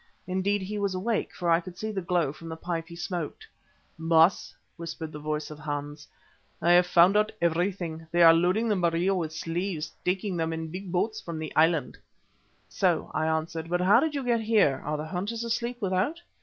Indeed, he was awake, for I could see the glow from the pipe he smoked. "Baas," whispered the voice of Hans, "I have found out everything. They are loading the Maria with slaves, taking them in big boats from the island." "So," I answered. "But how did you get here? Are the hunters asleep without?"